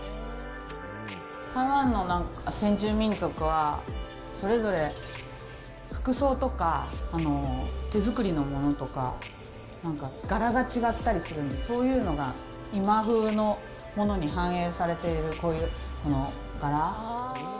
台湾の先住民族は、それぞれ服装とか、手作りのものとか、柄が違ったりするので、そういうのが今風のものに反映されている、こういうこの柄。